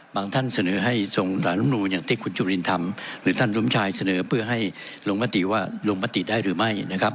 ท่านเสนอให้ส่งสารำนูนอย่างที่คุณจุลินทำหรือท่านสมชายเสนอเพื่อให้ลงมติว่าลงมติได้หรือไม่นะครับ